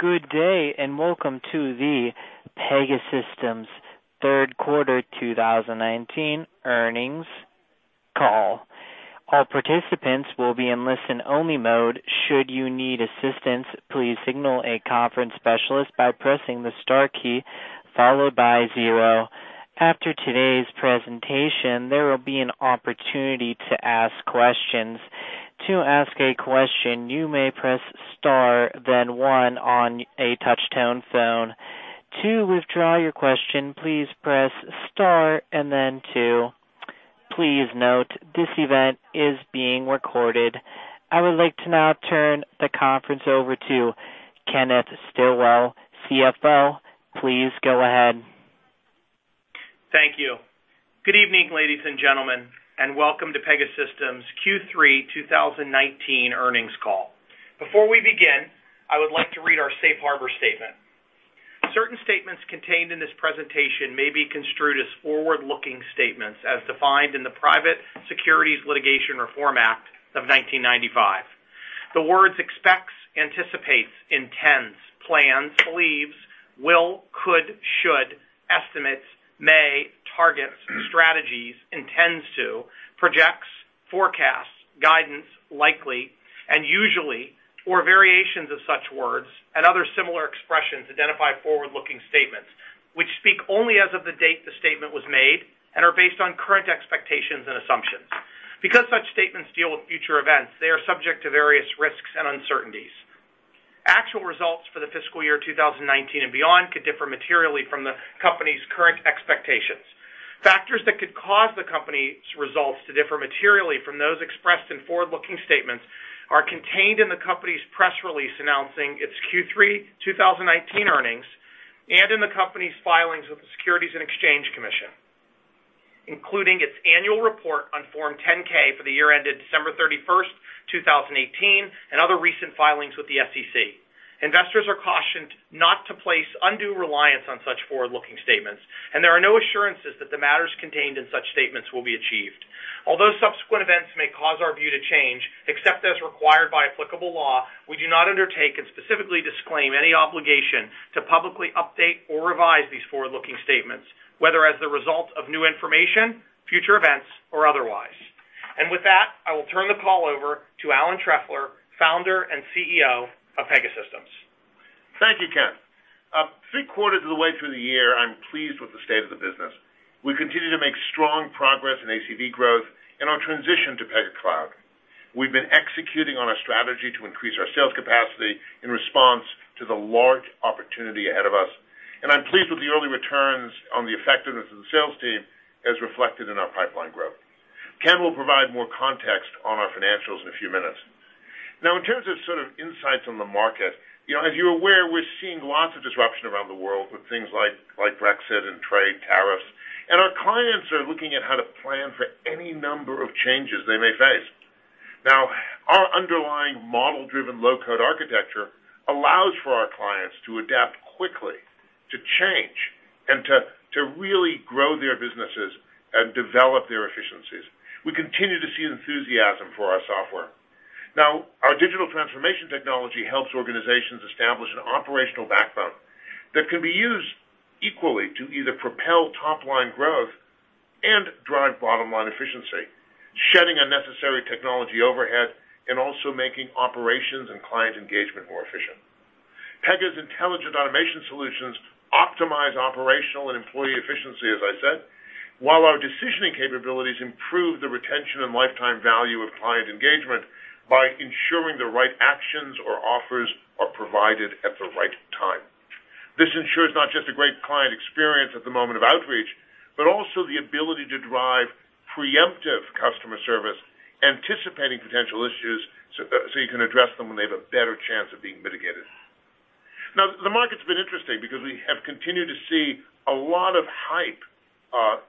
Good day. Welcome to the Pegasystems third quarter 2019 earnings call. All participants will be in listen only mode. Should you need assistance, please signal a conference specialist by pressing the star key followed by zero. After today's presentation, there will be an opportunity to ask questions. To ask a question, you may press star then one on a touch-tone phone. To withdraw your question, please press star and then two. Please note, this event is being recorded. I would like to now turn the conference over to Kenneth Stillwell, CFO. Please go ahead. Thank you. Good evening, ladies and gentlemen, and welcome to Pegasystems Q3 2019 earnings call. Before we begin, I would like to read our safe harbor statement. Certain statements contained in this presentation may be construed as forward-looking statements as defined in the Private Securities Litigation Reform Act of 1995. The words expects, anticipates, intends, plans, believes, will, could, should, estimates, may, targets, strategies, intends to, projects, forecasts, guidance, likely, and usually, or variations of such words and other similar expressions identify forward-looking statements, which speak only as of the date the statement was made and are based on current expectations and assumptions. Because such statements deal with future events, they are subject to various risks and uncertainties. Actual results for the fiscal year 2019 and beyond could differ materially from the company's current expectations. Factors that could cause the company's results to differ materially from those expressed in forward-looking statements are contained in the company's press release announcing its Q3 2019 earnings and in the company's filings with the Securities and Exchange Commission, including its annual report on Form 10-K for the year ended December 31st, 2018, and other recent filings with the SEC. Investors are cautioned not to place undue reliance on such forward-looking statements, and there are no assurances that the matters contained in such statements will be achieved. Although subsequent events may cause our view to change, except as required by applicable law, we do not undertake and specifically disclaim any obligation to publicly update or revise these forward-looking statements, whether as the result of new information, future events, or otherwise. With that, I will turn the call over to Alan Trefler, founder and CEO of Pegasystems. Thank you, Ken. Three-quarters of the way through the year, I'm pleased with the state of the business. We continue to make strong progress in ACV growth and our transition to Pega Cloud. We've been executing on a strategy to increase our sales capacity in response to the large opportunity ahead of us, and I'm pleased with the early returns on the effectiveness of the sales team, as reflected in our pipeline growth. Ken will provide more context on our financials in a few minutes. Now, in terms of sort of insights on the market, as you're aware, we're seeing lots of disruption around the world with things like Brexit and trade tariffs, and our clients are looking at how to plan for any number of changes they may face. Our underlying model-driven low-code architecture allows for our clients to adapt quickly, to change, and to really grow their businesses and develop their efficiencies. We continue to see enthusiasm for our software. Our digital transformation technology helps organizations establish an operational backbone that can be used equally to either propel top-line growth and drive bottom-line efficiency, shedding unnecessary technology overhead, and also making operations and client engagement more efficient. Pega's intelligent automation solutions optimize operational and employee efficiency, as I said, while our decisioning capabilities improve the retention and lifetime value of client engagement by ensuring the right actions or offers are provided at the right time. This ensures not just a great client experience at the moment of outreach, but also the ability to drive preemptive customer service, anticipating potential issues so you can address them when they have a better chance of being mitigated. The market's been interesting because we have continued to see a lot of hype,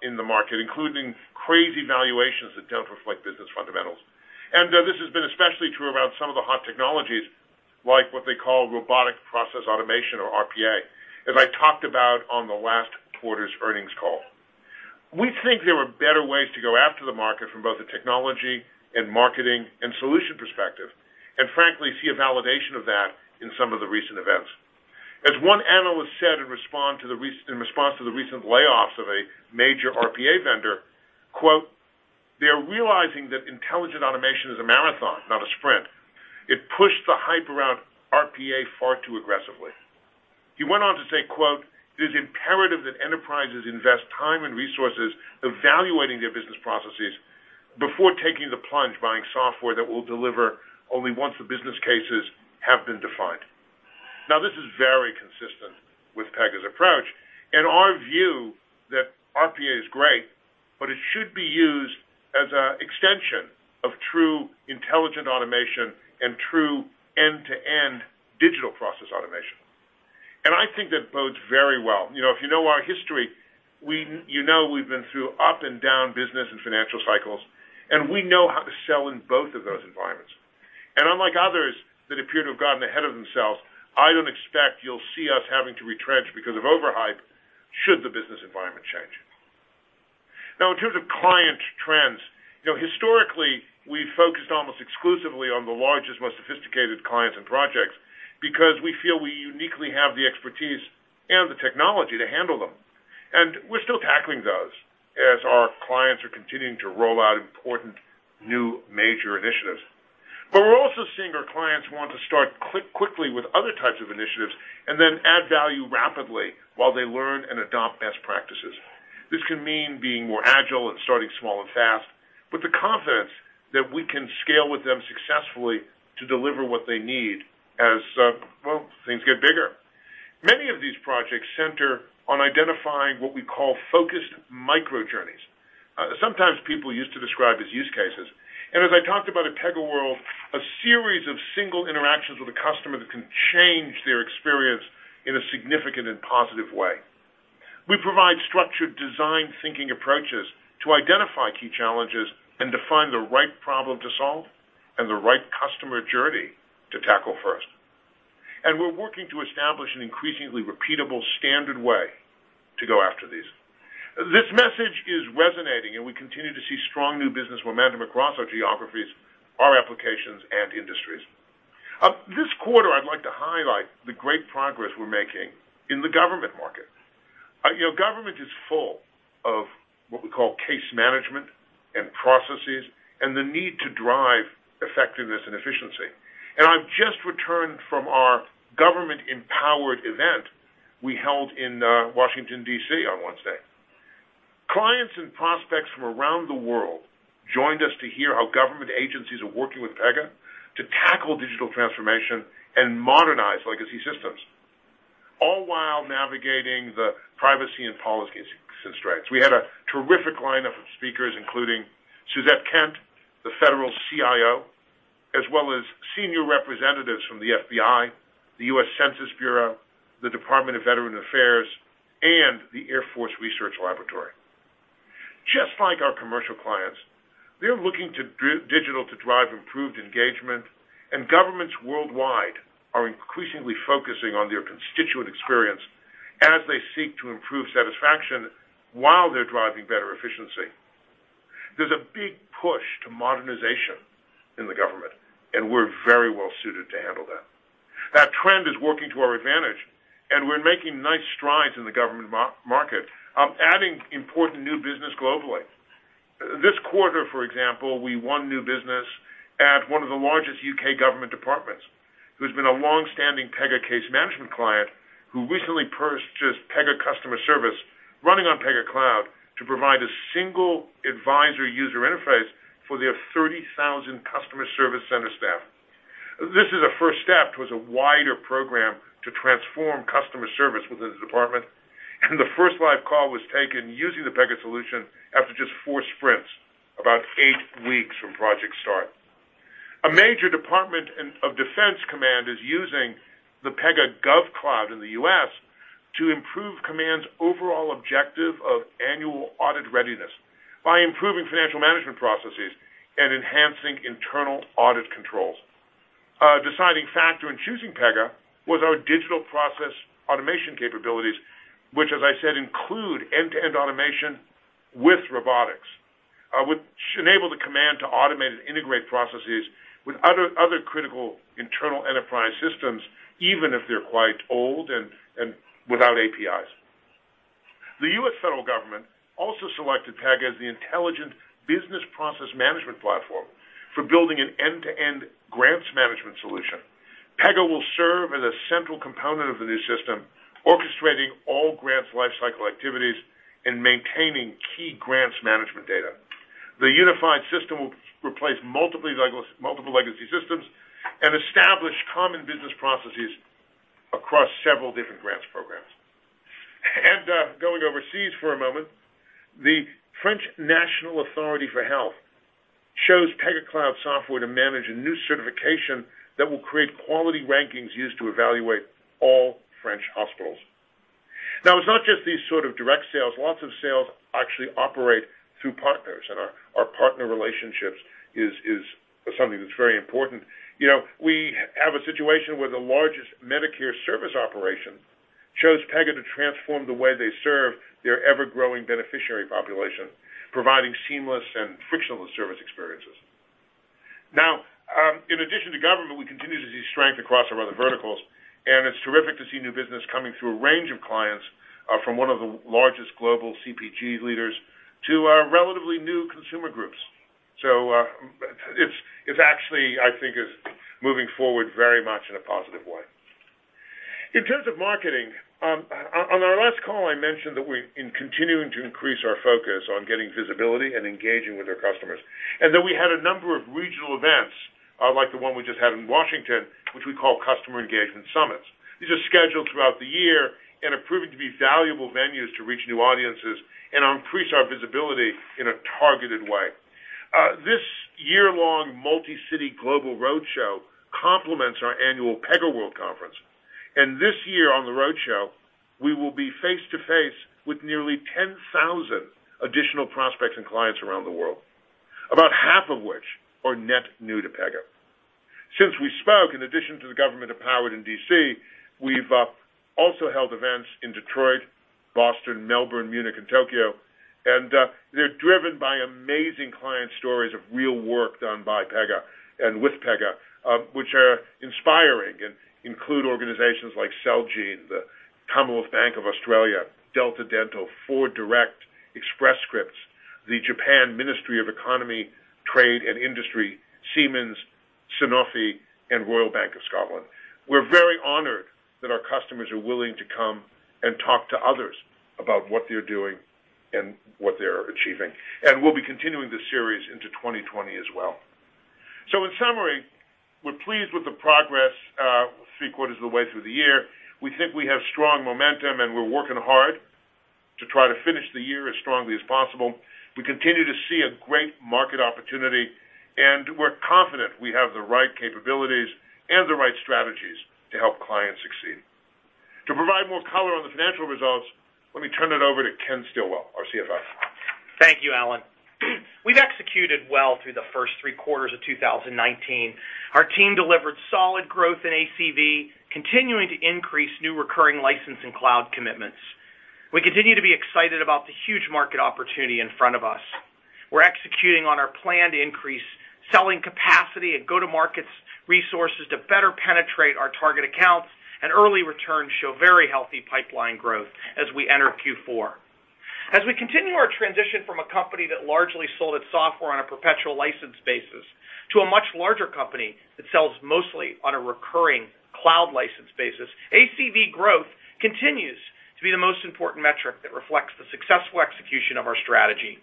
in the market, including crazy valuations that don't reflect business fundamentals. This has been especially true around some of the hot technologies like what they call robotic process automation or RPA, as I talked about on the last quarter's earnings call. We think there are better ways to go after the market from both the technology and marketing and solution perspective, and frankly, see a validation of that in some of the recent events. As one analyst said in response to the recent layoffs of a major RPA vendor, quote, "They're realizing that intelligent automation is a marathon, not a sprint. It pushed the hype around RPA far too aggressively." He went on to say, quote, "It is imperative that enterprises invest time and resources evaluating their business processes before taking the plunge buying software that will deliver only once the business cases have been defined." This is very consistent with Pega's approach and our view that RPA is great, but it should be used as an extension of true intelligent automation and true end-to-end digital process automation. I think that bodes very well. If you know our history, you know we've been through up and down business and financial cycles, and we know how to sell in both of those environments. Unlike others that appear to have gotten ahead of themselves, I don't expect you'll see us having to retrench because of overhype should the business environment change. In terms of client trends, historically, we focused almost exclusively on the largest, most sophisticated clients and projects because we feel we uniquely have the expertise and the technology to handle them. We're still tackling those as our clients are continuing to roll out important new major initiatives. We're also seeing our clients want to start quickly with other types of initiatives and then add value rapidly while they learn and adopt best practices. This can mean being more agile and starting small and fast, with the confidence that we can scale with them successfully to deliver what they need as, well, things get bigger. Many of these projects center on identifying what we call focused micro journeys. Sometimes people used to describe as use cases. As I talked about at PegaWorld, a series of single interactions with a customer that can change their experience in a significant and positive way. We provide structured design thinking approaches to identify key challenges and define the right problem to solve and the right customer journey to tackle first. We're working to establish an increasingly repeatable standard way to go after these. This message is resonating, and we continue to see strong new business momentum across our geographies, our applications, and industries. This quarter, I'd like to highlight the great progress we're making in the government market. Government is full of what we call case management and processes, and the need to drive effectiveness and efficiency. I've just returned from our Government Empowered event we held in Washington, D.C. on Wednesday. Clients and prospects from around the world joined us to hear how government agencies are working with Pega to tackle digital transformation and modernize legacy systems, all while navigating the privacy and policy constraints. We had a terrific lineup of speakers, including Suzette Kent, the federal CIO, as well as senior representatives from the FBI, the U.S. Census Bureau, the Department of Veterans Affairs, and the Air Force Research Laboratory. Just like our commercial clients, they're looking to digital to drive improved engagement. Governments worldwide are increasingly focusing on their constituent experience as they seek to improve satisfaction while they're driving better efficiency. There's a big push to modernization in the government. We're very well-suited to handle that. That trend is working to our advantage. We're making nice strides in the government market, adding important new business globally. This quarter, for example, we won new business at one of the largest U.K. government departments who's been a longstanding Pega case management client who recently purchased Pega Customer Service running on Pega Cloud to provide a single advisory user interface for their 30,000 customer service center staff. This is a first step towards a wider program to transform customer service within the department. The first live call was taken using the Pega solution after just 4 sprints, about 8 weeks from project start. A major Department of Defense command is using the Pega GovCloud in the U.S. to improve command's overall objective of annual audit readiness by improving financial management processes and enhancing internal audit controls. A deciding factor in choosing Pega was our digital process automation capabilities, which as I said, include end-to-end automation with robotics, which enable the command to automate and integrate processes with other critical internal enterprise systems, even if they're quite old and without APIs. The U.S. federal government also selected Pega as the intelligent business process management platform for building an end-to-end grants management solution. Pega will serve as a central component of the new system, orchestrating all grants lifecycle activities and maintaining key grants management data. The unified system will replace multiple legacy systems and establish common business processes across several different grants programs. Going overseas for a moment, the French National Authority for Health chose Pega Cloud software to manage a new certification that will create quality rankings used to evaluate all French hospitals. Now, it's not just these sort of direct sales. Lots of sales actually operate through partners, and our partner relationships is something that's very important. We have a situation where the largest Medicare service operation chose Pega to transform the way they serve their ever-growing beneficiary population, providing seamless and frictionless service experiences. In addition to government, we continue to see strength across our other verticals, and it's terrific to see new business coming through a range of clients, from one of the largest global CPG leaders to our relatively new consumer groups. It's actually, I think, is moving forward very much in a positive way. In terms of marketing, on our last call, I mentioned that we've been continuing to increase our focus on getting visibility and engaging with our customers. That we had a number of regional events, like the one we just had in Washington, which we call Customer Engagement Summits. These are scheduled throughout the year and are proving to be valuable venues to reach new audiences and increase our visibility in a targeted way. This year-long multi-city global road show complements our annual PegaWorld conference. This year on the road show, we will be face-to-face with nearly 10,000 additional prospects and clients around the world, about half of which are net new to Pega. Since we spoke, in addition to the Government Empowered in D.C., we've also held events in Detroit, Boston, Melbourne, Munich, and Tokyo, and they're driven by amazing client stories of real work done by Pega and with Pega which are inspiring and include organizations like Celgene, the Commonwealth Bank of Australia, Delta Dental, FordDirect, Express Scripts, the Japan Ministry of Economy, Trade and Industry, Siemens, Sanofi, and Royal Bank of Scotland. We're very honored that our customers are willing to come and talk to others about what they're doing and what they're achieving, and we'll be continuing this series into 2020 as well. In summary, we're pleased with the progress three quarters of the way through the year. We think we have strong momentum and we're working hard to try to finish the year as strongly as possible. We continue to see a great market opportunity, and we're confident we have the right capabilities and the right strategies to help clients succeed. To provide more color on the financial results, let me turn it over to Ken Stillwell, our CFO. Thank you, Alan. We've executed well through the first three quarters of 2019. Our team delivered solid growth in ACV, continuing to increase new recurring license and cloud commitments. We continue to be excited about the huge market opportunity in front of us. We're executing on our planned increase, selling capacity and go-to-markets resources to better penetrate our target accounts and early returns show very healthy pipeline growth as we enter Q4. As we continue our transition from a company that largely sold its software on a perpetual license basis to a much larger company that sells mostly on a recurring cloud license basis, ACV growth continues to be the most important metric that reflects the successful execution of our strategy.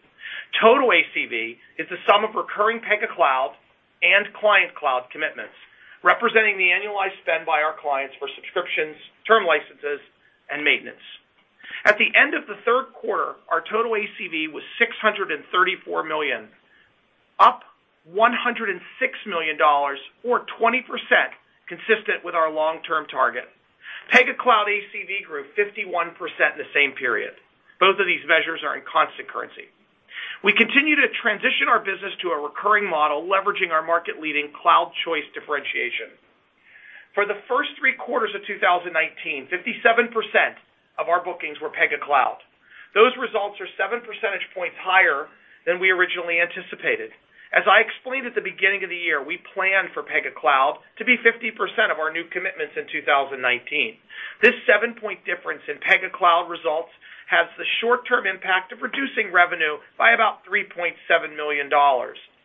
Total ACV is the sum of recurring Pega Cloud and client cloud commitments, representing the annualized spend by our clients for subscriptions, term licenses, and maintenance. At the end of the third quarter, our total ACV was $634 million, up $106 million or 20%, consistent with our long-term target. Pega Cloud ACV grew 51% in the same period. Both of these measures are in constant currency. We continue to transition our business to a recurring model, leveraging our market-leading cloud choice differentiation. For the first three quarters of 2019, 57% of our bookings were Pega Cloud. Those results are seven percentage points higher than we originally anticipated. As I explained at the beginning of the year, we planned for Pega Cloud to be 50% of our new commitments in 2019. This seven-point difference in Pega Cloud results has the short-term impact of reducing revenue by about $3.7 million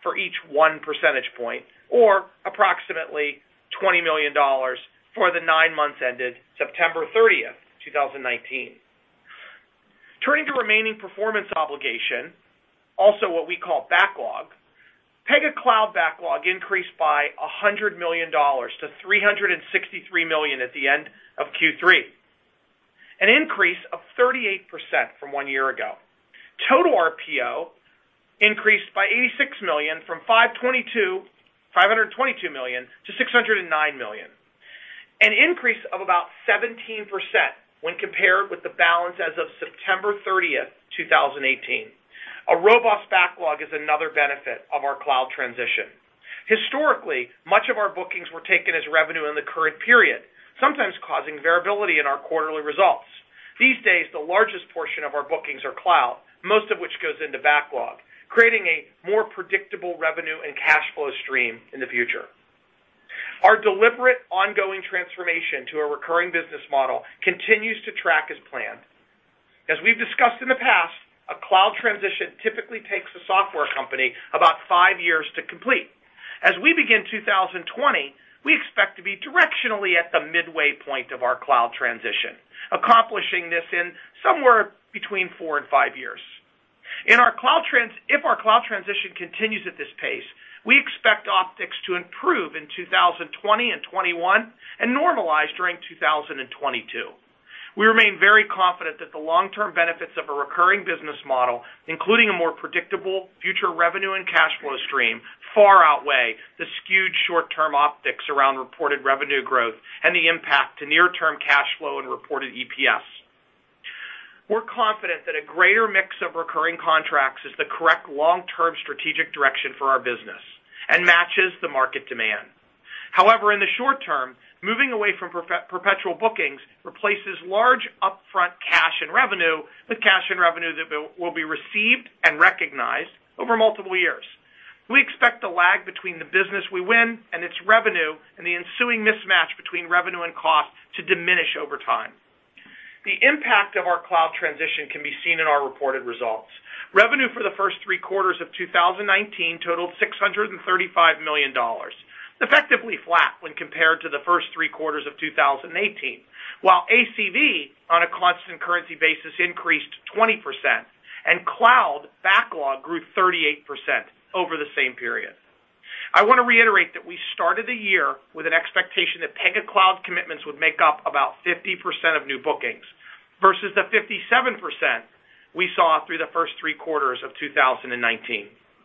for each one percentage point, or approximately $20 million for the nine months ended September 30th, 2019. Turning to remaining performance obligation, also what we call backlog, Pega Cloud backlog increased by $100 million to $363 million at the end of Q3, an increase of 38% from one year ago. Total RPO increased by $86 million from $522 million to $609 million, an increase of about 17% when compared with the balance as of September 30th, 2018. A robust backlog is another benefit of our cloud transition. Historically, much of our bookings were taken as revenue in the current period, sometimes causing variability in our quarterly results. These days, the largest portion of our bookings are cloud, most of which goes into backlog, creating a more predictable revenue and cash flow stream in the future. Our deliberate ongoing transformation to a recurring business model continues to track as planned. As we've discussed in the past, a cloud transition typically takes a software company about five years to complete. As we begin 2020, we expect to be directionally at the midway point of our cloud transition, accomplishing this in somewhere between four and five years. If our cloud transition continues at this pace, we expect optics to improve in 2020 and '21 and normalize during 2022. We remain very confident that the long-term benefits of a recurring business model, including a more predictable future revenue and cash flow stream, far outweigh the skewed short-term optics around reported revenue growth and the impact to near-term cash flow and reported EPS. We're confident that a greater mix of recurring contracts is the correct long-term strategic direction for our business and matches the market demand. However, in the short term, moving away from perpetual bookings replaces large upfront cash and revenue with cash and revenue that will be received and recognized over multiple years. We expect the lag between the business we win and its revenue and the ensuing mismatch between revenue and cost to diminish over time. The impact of our cloud transition can be seen in our reported results. Revenue for the first three quarters of 2019 totaled $635 million, effectively flat when compared to the first three quarters of 2018. While ACV on a constant currency basis increased 20%, and cloud backlog grew 38% over the same period. I want to reiterate that we started the year with an expectation that Pega Cloud commitments would make up about 50% of new bookings versus the 57% we saw through the first three quarters of 2019.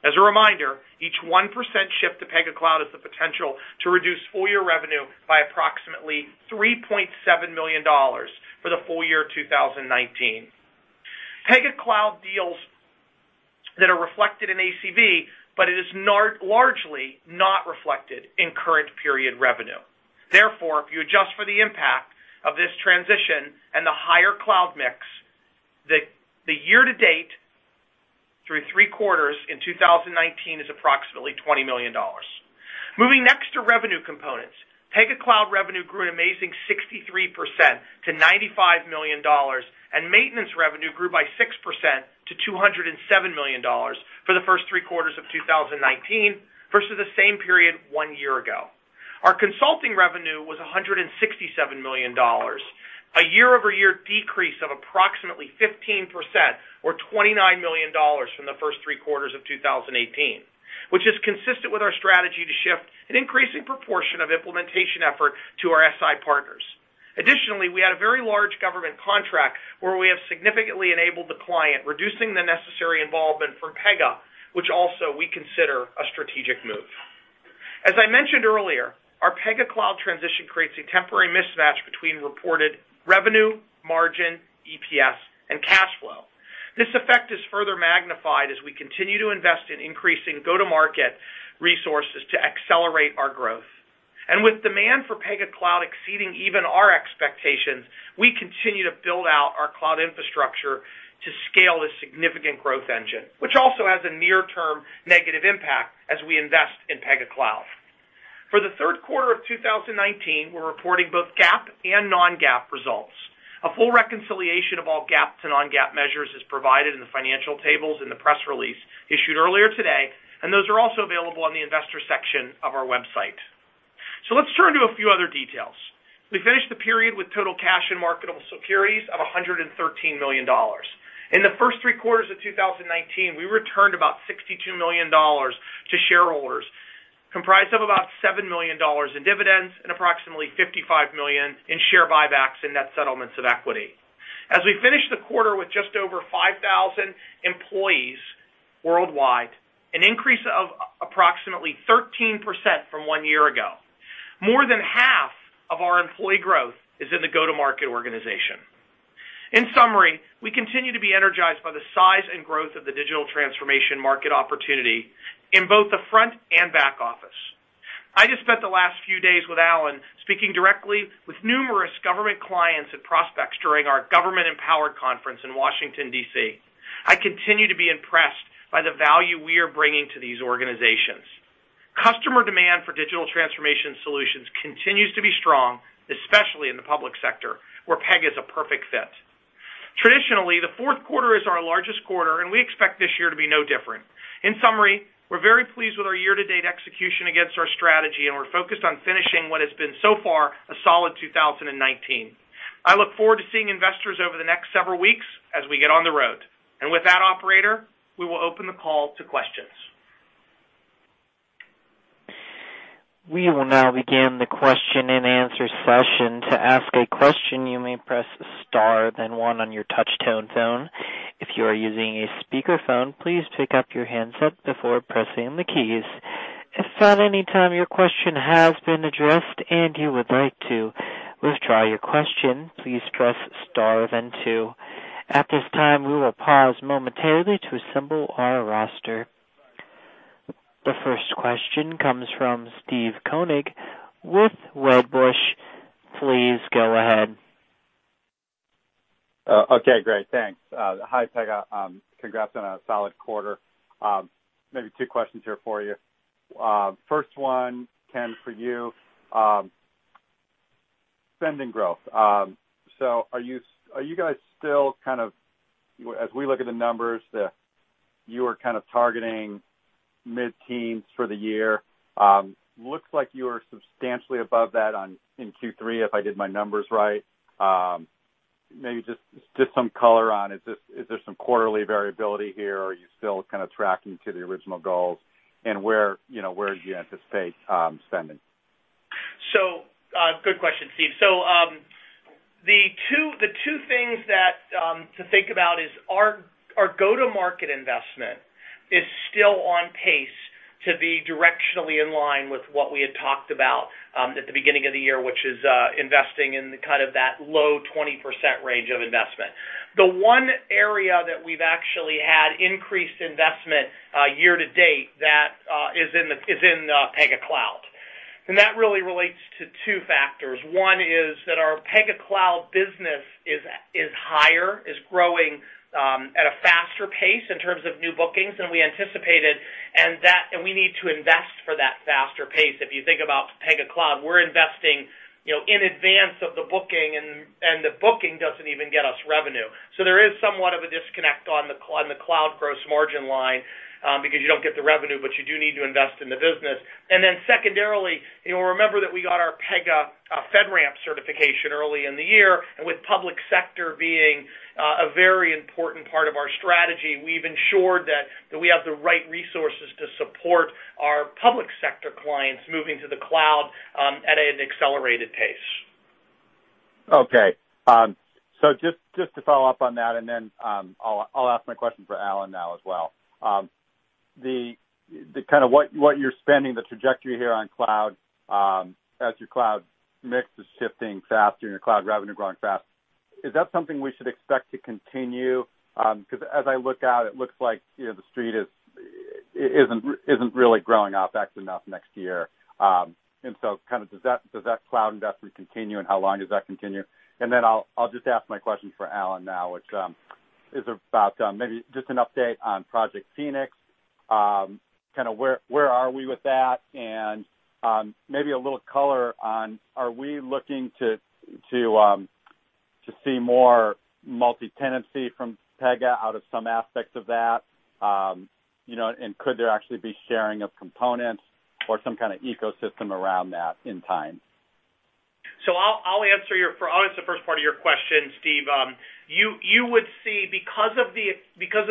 As a reminder, each 1% shift to Pega Cloud has the potential to reduce full-year revenue by approximately $3.7 million for the full year 2019. Pega Cloud deals that are reflected in ACV, but it is largely not reflected in current period revenue. If you adjust for the impact of this transition and the higher cloud mix, the year to date through three quarters in 2019 is approximately $20 million. Moving next to revenue components. Pega Cloud revenue grew an amazing 63% to $95 million, and maintenance revenue grew by 6% to $207 million for the first three quarters of 2019, versus the same period one year ago. Our consulting revenue was $167 million, a year-over-year decrease of approximately 15%, or $29 million from the first three quarters of 2018, which is consistent with our strategy to shift an increasing proportion of implementation effort to our SI partners. Additionally, we had a very large government contract where we have significantly enabled the client, reducing the necessary involvement from Pega, which also we consider a strategic move. As I mentioned earlier, our Pega Cloud transition creates a temporary mismatch between reported revenue, margin, EPS, and cash flow. This effect is further magnified as we continue to invest in increasing go-to-market resources to accelerate our growth. With demand for Pega Cloud exceeding even our expectations, we continue to build out our cloud infrastructure to scale this significant growth engine, which also has a near term negative impact as we invest in Pega Cloud. For the third quarter of 2019, we're reporting both GAAP and non-GAAP results. A full reconciliation of all GAAP to non-GAAP measures is provided in the financial tables in the press release issued earlier today, and those are also available on the investor section of our website. Let's turn to a few other details. We finished the period with total cash and marketable securities of $113 million. In the first three quarters of 2019, we returned about $62 million to shareholders, comprised of about $7 million in dividends and approximately $55 million in share buybacks and net settlements of equity. As we finish the quarter with just over 5,000 employees worldwide, an increase of approximately 13% from one year ago. More than half of our employee growth is in the go-to-market organization. In summary, we continue to be energized by the size and growth of the digital transformation market opportunity in both the front and back office. I just spent the last few days with Alan, speaking directly with numerous government clients and prospects during our Government Empowered conference in Washington, D.C. I continue to be impressed by the value we are bringing to these organizations. Customer demand for digital transformation solutions continues to be strong, especially in the public sector, where Pega is a perfect fit. Traditionally, the fourth quarter is our largest quarter, and we expect this year to be no different. In summary, we're very pleased with our year-to-date execution against our strategy, and we're focused on finishing what has been so far a solid 2019. I look forward to seeing investors over the next several weeks as we get on the road. With that, operator, we will open the call to questions. We will now begin the question and answer session. To ask a question, you may press star, then one on your touch tone phone. If you are using a speaker phone, please pick up your handset before pressing the keys. If at any time your question has been addressed and you would like to withdraw your question, please press star then two. At this time, we will pause momentarily to assemble our roster. The first question comes from Steve Koenig with Wedbush. Please go ahead. Okay, great. Thanks. Hi, Pega. Congrats on a solid quarter. Maybe two questions here for you. First one, Ken, for you. Spending growth. Are you guys still kind of, as we look at the numbers, you are kind of targeting mid-teens for the year. Looks like you are substantially above that in Q3, if I did my numbers right. Maybe just some color on, is there some quarterly variability here, or are you still kind of tracking to the original goals? Where do you anticipate spending? Good question, Steve. The two things to think about is our go-to-market investment is still on pace to be directionally in line with what we had talked about, at the beginning of the year, which is investing in kind of that low 20% range of investment. The one area that we've actually had increased investment year to date that is in Pega Cloud. That really relates to two factors. One is that our Pega Cloud business is higher, is growing at a faster pace in terms of new bookings than we anticipated. We need to invest for that faster pace. If you think about Pega Cloud, we're investing in advance of the booking, and the booking doesn't even get us revenue. There is somewhat of a disconnect on the cloud gross margin line, because you don't get the revenue, but you do need to invest in the business. Secondarily, remember that we got our Pega FedRAMP certification early in the year, and with public sector being a very important part of our strategy, we've ensured that we have the right resources to support our public sector clients moving to the cloud at an accelerated pace. Okay. Just to follow up on that and then I'll ask my question for Alan now as well what you're spending, the trajectory here on cloud, as your cloud mix is shifting faster and your cloud revenue growing faster, is that something we should expect to continue? Because as I look out, it looks like the street isn't really growing out that enough next year. Does that cloud investment continue, and how long does that continue? I'll just ask my question for Alan now, which is about maybe just an update on Project Phoenix. Where are we with that? And maybe a little color on, are we looking to see more multi-tenancy from Pega out of some aspects of that, and could there actually be sharing of components or some kind of ecosystem around that in time? I'll answer the first part of your question, Steve. You would see, because of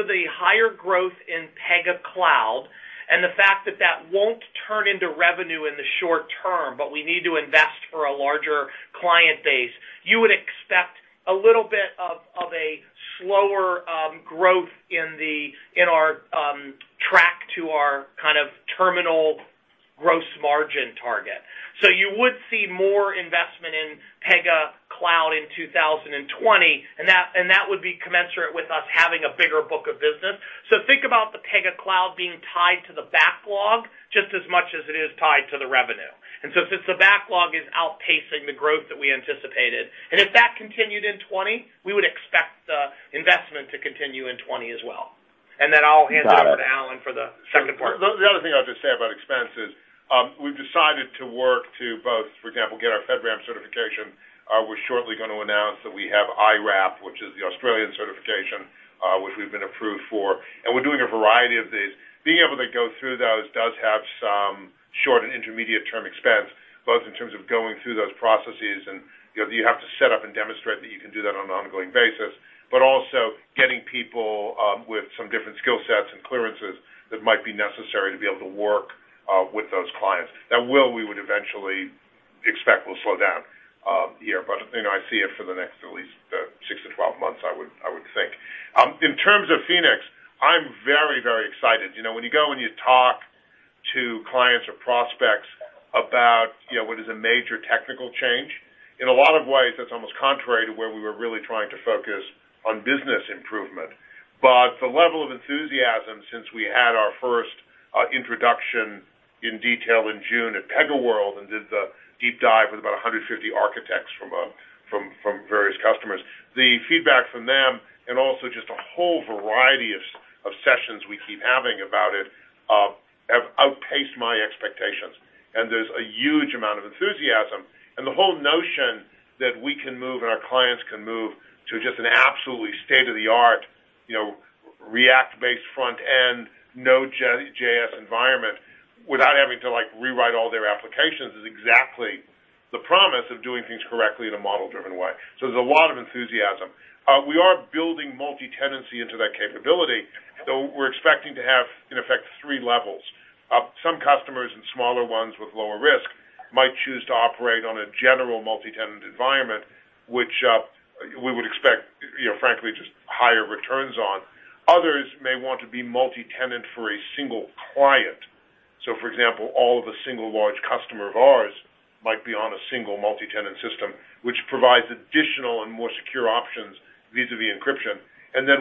the higher growth in Pega Cloud and the fact that that won't turn into revenue in the short term, but we need to invest for a larger client base, you would expect a little bit of a slower growth in our track to our terminal gross margin target. You would see more investment in Pega Cloud in 2020, and that would be commensurate with us having a bigger book of business. Think about the Pega Cloud being tied to the backlog just as much as it is tied to the revenue. Since the backlog is outpacing the growth that we anticipated, and if that continued in '20, we would expect the investment to continue in '20 as well. Then I'll hand it over to Alan for the second part. The other thing I'll just say about expense is, we've decided to work to both, for example, get our FedRAMP certification. We're shortly going to announce that we have IRAP, which is the Australian certification, which we've been approved for. We're doing a variety of these. Being able to go through those does have some short- and intermediate-term expense, both in terms of going through those processes, and you have to set up and demonstrate that you can do that on an ongoing basis, also getting people with some different skill sets and clearances that might be necessary to be able to work with those clients. That will, we would eventually expect, will slow down here. I see it for the next at least 6-12 months, I would think. In terms of Phoenix, I'm very excited. When you go and you talk to clients or prospects about what is a major technical change, in a lot of ways that's almost contrary to where we were really trying to focus on business improvement. The level of enthusiasm since we had our first introduction in detail in June at PegaWorld and did the deep dive with about 150 architects from various customers, the feedback from them and also just a whole variety of sessions we keep having about it have outpaced my expectations, and there's a huge amount of enthusiasm. The whole notion that we can move and our clients can move to just an absolutely state-of-the-art React-based front-end, Node.js environment without having to rewrite all their applications is exactly the promise of doing things correctly in a model-driven way. There's a lot of enthusiasm. We are building multi-tenancy into that capability, though we're expecting to have, in effect, 3 levels. Some customers and smaller ones with lower risk might choose to operate on a general multi-tenant environment, which we would expect, frankly, just higher returns on. Others may want to be multi-tenant for a single client. For example, all of a single large customer of ours might be on a single multi-tenant system, which provides additional and more secure options vis-a-vis encryption.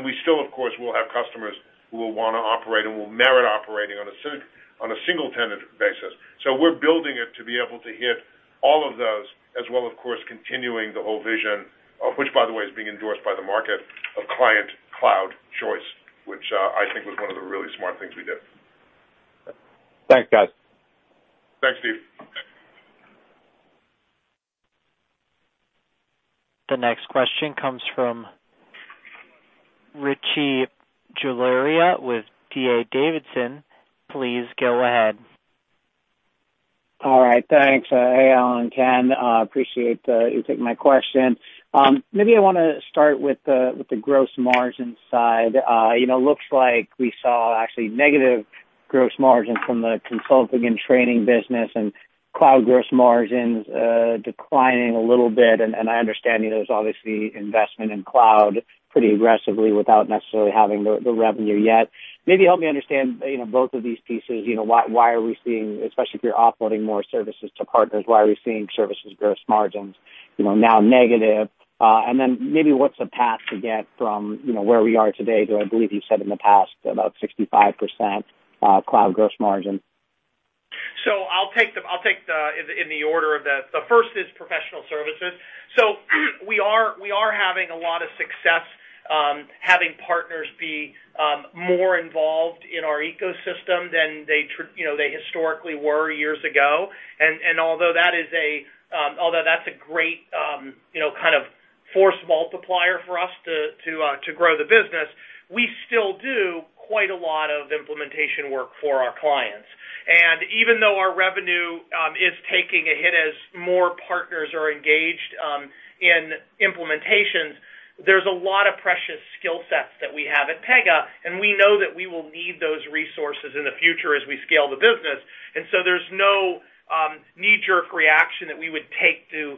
We still, of course, will have customers who will want to operate and will merit operating on a single-tenant basis. We're building it to be able to hit all of those as well, of course, continuing the whole vision of which, by the way, is being endorsed by the market of client cloud choice, which I think was one of the really smart things we did. Thanks, guys. Thanks, Steve. The next question comes from Rishi Jaluria with D.A. Davidson. Please go ahead. All right, thanks. Hey, Alan and Ken. Appreciate you taking my question. Maybe I want to start with the gross margin side. Looks like we saw actually negative gross margin from the consulting and training business and cloud gross margins declining a little bit, and I understand there's obviously investment in cloud pretty aggressively without necessarily having the revenue yet. Maybe help me understand both of these pieces. Why are we seeing, especially if you're offloading more services to partners, why are we seeing services gross margins now negative? Maybe what's the path to get from where we are today to, I believe you said in the past, about 65% cloud gross margin? The first is professional services. We are having a lot of success having partners be more involved in our ecosystem than they historically were years ago. Although that's a great kind of force multiplier for us to grow the business, we still do quite a lot of implementation work for our clients. Even though our revenue is taking a hit as more partners are engaged in implementations, there's a lot of precious skill sets that we have at Pega, and we know that we will need those resources in the future as we scale the business. There's no knee-jerk reaction that we would take to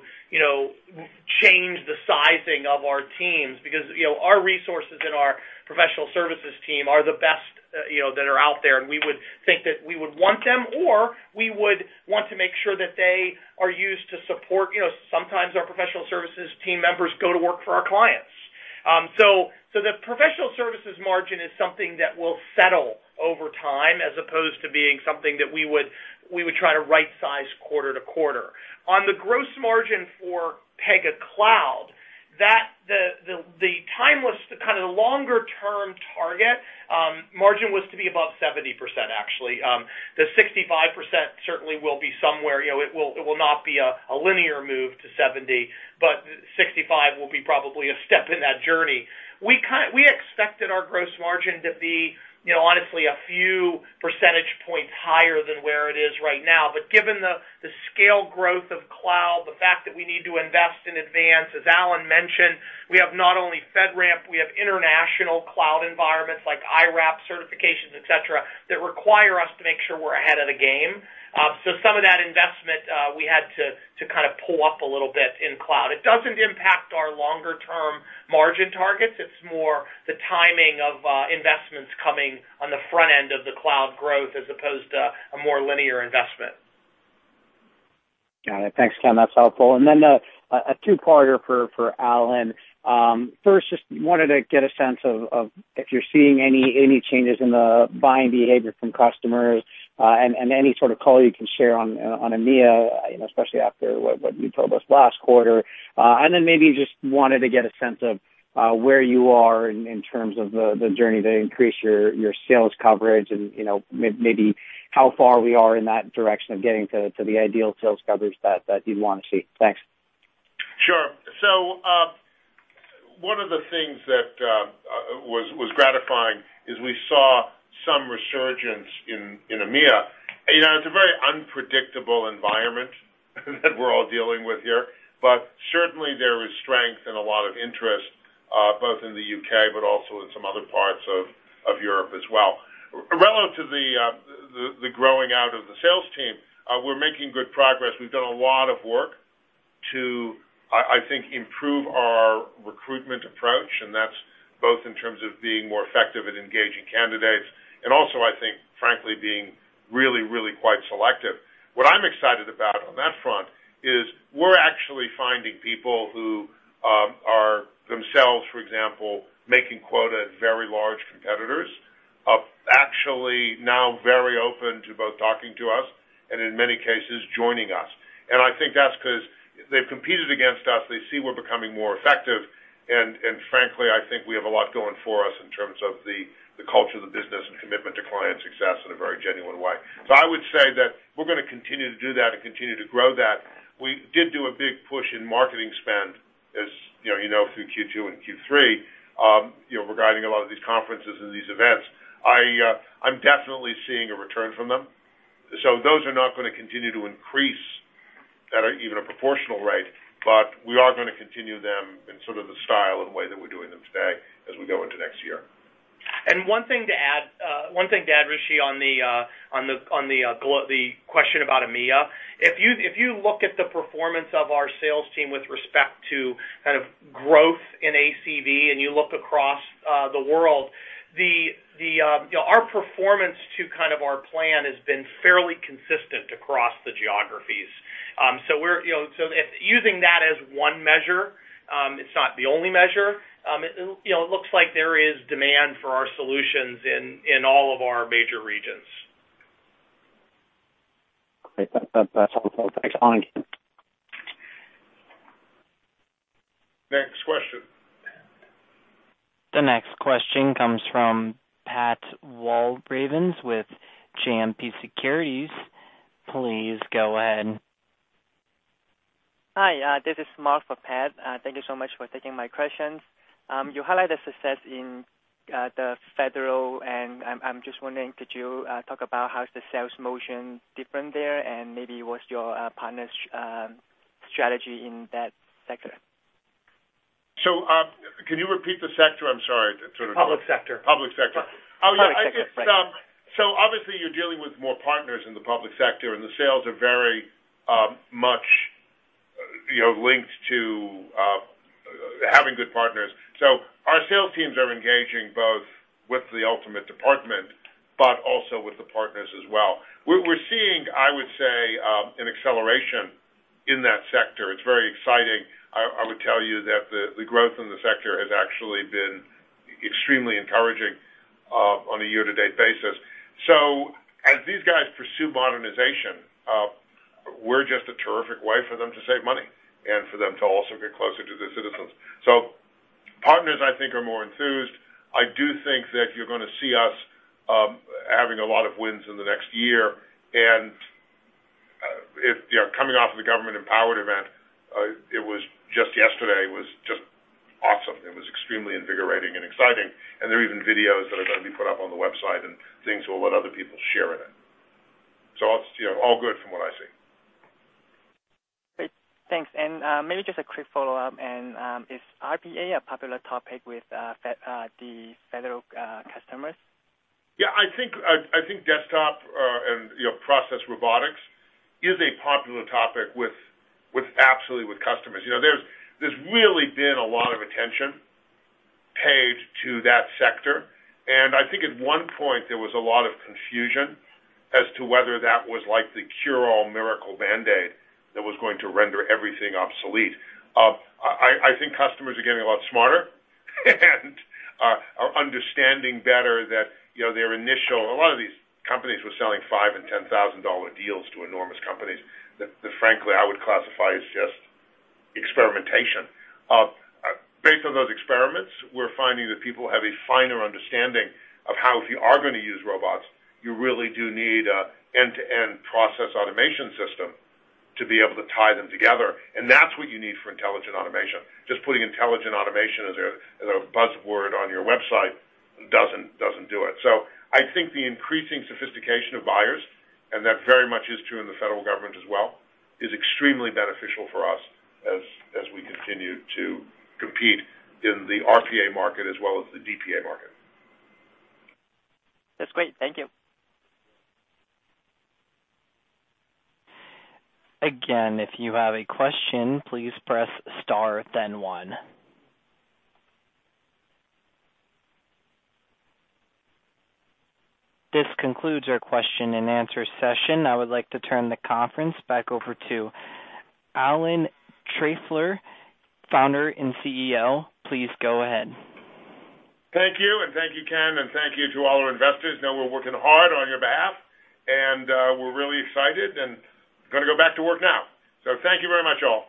change the sizing of our teams because our resources and our professional services team are the best that are out there, and we would think that we would want them, or we would want to make sure that they are used to support. Sometimes our professional services team members go to work for our clients. The professional services margin is something that will settle over time as opposed to being something that we would try to right size quarter to quarter. On the gross margin for Pega Cloud, the timeless kind of longer-term target margin was to be above 70%, actually. The 65% certainly will be somewhere, it will not be a linear move to 70, but 65 will be probably a step in that journey. We expected our gross margin to be honestly a few percentage points higher than where it is right now. Given the scale growth of cloud, the fact that we need to invest in advance, as Alan mentioned, we have not only FedRAMP, we have international cloud environments like IRAP certifications, et cetera, that require us to make sure we're ahead of the game. Some of that investment, we had to kind of pull up a little bit in cloud. It doesn't impact our longer-term margin targets. It's more the timing of investments coming on the front end of the cloud growth as opposed to a more linear investment. Got it. Thanks, Ken. That's helpful. A two-parter for Alan. First, just wanted to get a sense of if you're seeing any changes in the buying behavior from customers, and any sort of color you can share on EMEA, especially after what you told us last quarter. Maybe just wanted to get a sense of where you are in terms of the journey to increase your sales coverage and maybe how far we are in that direction of getting to the ideal sales coverage that you'd want to see. Thanks. Sure. One of the things that was gratifying is we saw some resurgence in EMEA. It's a very unpredictable environment that we're all dealing with here, but certainly there is strength and a lot of interest, both in the U.K. but also in some other parts of Europe as well. Relative to the growing out of the sales team, we're making good progress. We've done a lot of work to, I think, improve our recruitment approach, and that's both in terms of being more effective at engaging candidates and also, I think, frankly, being really, really quite selective. What I'm excited about on that front is we're actually finding people who are themselves, for example, making quota at very large competitors, are actually now very open to both talking to us and, in many cases, joining us. I think that's because they've competed against us. They see we're becoming more effective. Frankly, I think we have a lot going for us in terms of the culture of the business and commitment to client success in a very genuine way. I would say that we're going to continue to do that and continue to grow that. We did do a big push in marketing spend, as you know, through Q2 and Q3, regarding a lot of these conferences and these events. I'm definitely seeing a return from them. Those are not going to continue to increase at even a proportional rate. We are going to continue them in sort of the style and the way that we're doing them today as we go into next year. One thing to add, Rishi, on the question about EMEA. If you look at the performance of our sales team with respect to kind of growth in ACV and you look across the world, our performance to kind of our plan has been fairly consistent across the geographies. Using that as one measure, it's not the only measure, it looks like there is demand for our solutions in all of our major regions. Great. That's helpful. Thanks. On again. Next question. The next question comes from Pat Walravens with JMP Securities. Please go ahead. Hi. This is Mark for Pat. Thank you so much for taking my questions. You highlight the success in the Federal. I'm just wondering, could you talk about how is the sales motion different there, and maybe what's your partner's strategy in that sector? can you repeat the sector? I'm sorry. Public sector. Public sector. Public sector. Sorry. Obviously you're dealing with more partners in the public sector, and the sales are very much linked to having good partners. Our sales teams are engaging both with the ultimate department, but also with the partners as well. We're seeing, I would say, an acceleration in that sector. It's very exciting. I would tell you that the growth in the sector has actually been extremely encouraging on a year-to-date basis. As these guys pursue modernization, we're just a terrific way for them to save money and for them to also get closer to the citizens. Partners, I think, are more enthused. I do think that you're going to see us having a lot of wins in the next year. Coming off of the Government Empowered event, it was just yesterday, was just awesome. It was extremely invigorating and exciting. There are even videos that are going to be put up on the website, and things will let other people share in it. It's all good from what I see. Great. Thanks. Maybe just a quick follow-up. Is RPA a popular topic with the federal customers? Yeah, I think desktop and process robotics is a popular topic absolutely with customers. There's really been a lot of attention paid to that sector, and I think at one point there was a lot of confusion as to whether that was like the cure-all miracle Band-Aid that was going to render everything obsolete. I think customers are getting a lot smarter and are understanding better that a lot of these companies were selling $5,000 and $10,000 deals to enormous companies that frankly I would classify as just experimentation. Based on those experiments, we're finding that people have a finer understanding of how, if you are going to use robots, you really do need an end-to-end process automation system to be able to tie them together. That's what you need for intelligent automation. Just putting intelligent automation as a buzzword on your website doesn't do it. I think the increasing sophistication of buyers, and that very much is true in the Federal Government as well, is extremely beneficial for us as we continue to compete in the RPA market as well as the DPA market. That's great. Thank you. Again, if you have a question, please press star, then one. This concludes our question and answer session. I would like to turn the conference back over to Alan Trefler, Founder and CEO. Please go ahead. Thank you, and thank you, Ken, and thank you to all our investors. You know we're working hard on your behalf, and we're really excited and going to go back to work now. Thank you very much, all.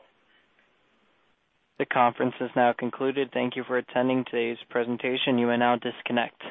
The conference is now concluded. Thank you for attending today's presentation. You may now disconnect.